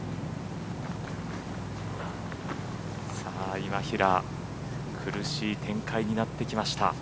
今平苦しい展開になってきました。